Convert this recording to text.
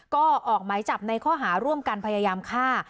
ก็ออกหมายจับในข้อหาร่วมกันพยายามฆ่า